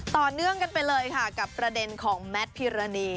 ต่อเนื่องกันไปเลยค่ะกับประเด็นของแมทพิรณี